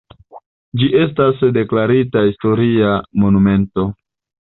Ĝi estas deklarita historia monumento.